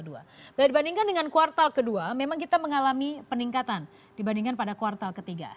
dan dibandingkan dengan kuartal ke dua memang kita mengalami peningkatan dibandingkan pada kuartal ke tiga